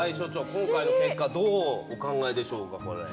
今回の結果、どうお考えですか？